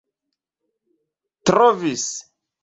trovis